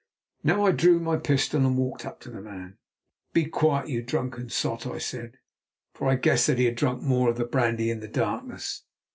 Now I drew my pistol and walked up to the man. "Be quiet, you drunken sot," I said, for I guessed that he had drunk more of the brandy in the darkness.